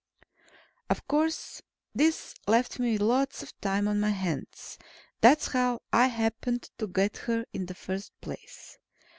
Of course, this left me with lots of time on my hands. That's how I happened to get her in the first place.